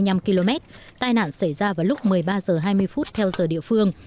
cách thủ đô hai mươi năm km tai nạn xảy ra vào lúc một mươi ba h hai mươi phút theo giờ địa phương